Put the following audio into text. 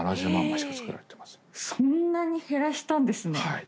そんなに減らしたんですね。